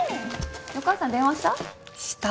お母さんに電話した？